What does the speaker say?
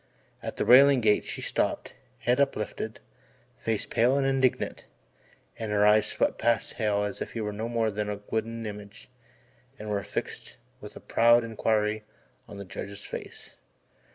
At the railing gate she stopped, head uplifted, face pale and indignant; and her eyes swept past Hale as if he were no more than a wooden image, and were fixed with proud inquiry on the Judge's face.